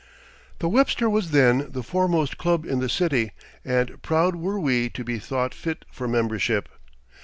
The "Webster" was then the foremost club in the city and proud were we to be thought fit for membership.